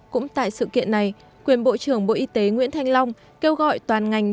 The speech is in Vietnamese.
cũng tại sự kiện này quyền bộ trưởng bộ y tế nguyễn thanh long kêu gọi toàn ngành